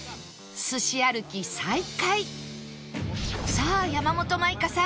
さあ山本舞香さん